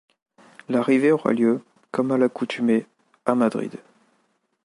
L'arrivée aura lieu, comme à l'accoutumée, à Madrid.